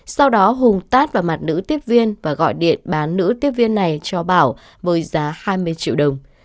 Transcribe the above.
sau đó hùng tát vào mặt nữ tiếp viên và gọi điện bán nữ tiếp viên này cho bảo với giá hai mươi triệu đồng